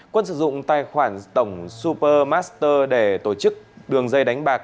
quân sử dụng tài khoản tổng supermaster để tổ chức đường dây đánh bạc